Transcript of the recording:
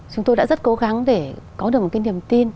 chúng tôi đã rất cố gắng để có được một cái niềm tin